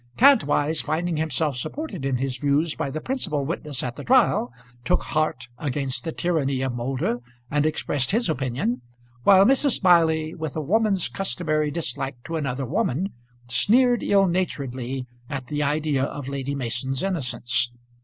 Kantwise finding himself supported in his views by the principal witness at the trial took heart against the tyranny of Moulder and expressed his opinion, while Mrs. Smiley, with a woman's customary dislike to another woman, sneered ill naturedly at the idea of Lady Mason's innocence.